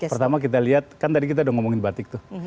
pertama kita lihat kan tadi kita udah ngomongin batik tuh